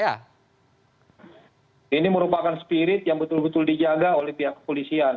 ini merupakan spirit yang betul betul dijaga oleh pihak kepolisian